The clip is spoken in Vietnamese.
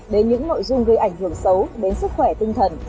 đến những nội dung gây ảnh hưởng xấu đến sức khỏe tinh thần